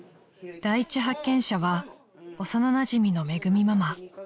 ［第一発見者は幼なじみのめぐみママ］